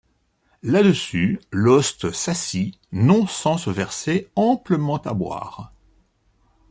Là-dessus l’hoste s’assit, non sans se verser amplement à boire.